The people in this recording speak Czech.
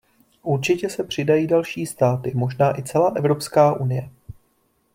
Určitě se přidají další státy, možná i celá Evropská unie.